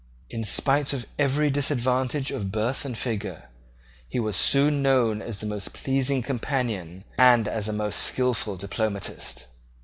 In spite of every disadvantage of birth and figure he was soon known as a most pleasing companion and as a most skilful diplomatist.